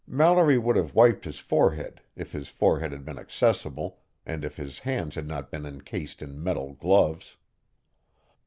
Mallory would have wiped his forehead if his forehead had been accessible and if his hands had not been encased in metal gloves.